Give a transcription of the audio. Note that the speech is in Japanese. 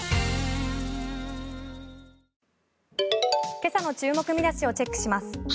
今朝の注目見出しをチェックします。